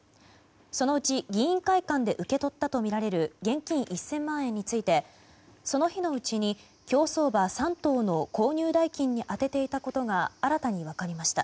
そのうち議員会館で受け取ったとみられる現金１０００万円についてその日のうちに競走馬３頭の購入代金に充てていたことが新たに分かりました。